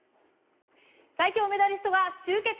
最強メダリストが集結。